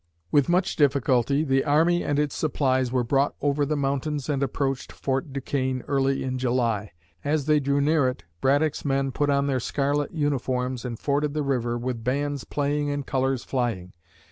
With much difficulty, the army and its supplies were brought over the mountains and approached Fort Duquesne early in July. As they drew near it, Braddock's men put on their scarlet uniforms and forded the river, with bands playing and colors flying.